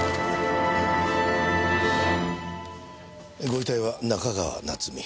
ご遺体は中川夏美。